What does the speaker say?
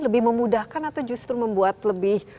lebih memudahkan atau justru membuat lebih